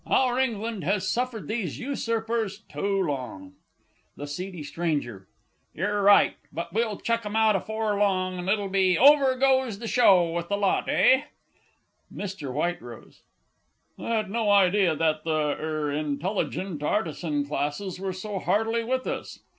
Our England has suffered these usurpers too long. THE S. S. Yer right. But we'll chuck 'em out afore long, and it'll be "Over goes the Show" with the lot, eh? MR. W. I had no idea that the er intelligent artisan classes were so heartily with us.